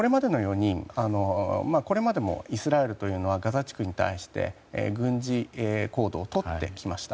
これまでもイスラエルというのはガザ地区に対して軍事行動をとってきました。